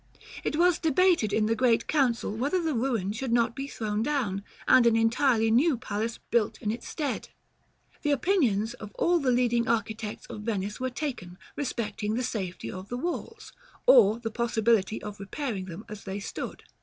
It was debated in the Great Council whether the ruin should not be thrown down, and an entirely new palace built in its stead. The opinions of all the leading architects of Venice were taken, respecting the safety of the walls, or the possibility of repairing them as they stood.